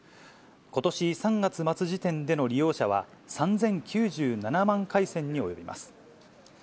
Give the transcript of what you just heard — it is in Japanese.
ことし３月末時点での利用者は、３０９７万回線に及びます。